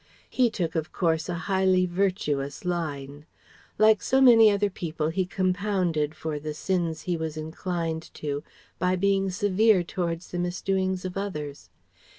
He took of course a highly virtuous line. Like so many other people he compounded for the sins he was inclined to by being severe towards the misdoings of others.